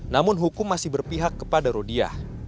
namun hukum masih berpihak kepada rudiah